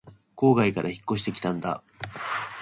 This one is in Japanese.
郊外から引っ越してきたんだ